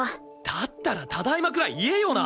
だったら「ただいま」くらい言えよな！